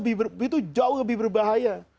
itu jauh lebih berbahaya